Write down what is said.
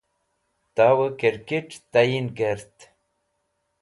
Towey Kirkit Tayin Kert